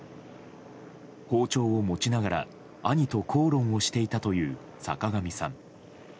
包丁を持ちながら兄と口論をしていたという坂上さん。